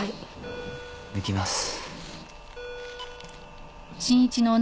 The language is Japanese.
抜きます。